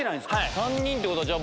３人ってことは、じゃあ僕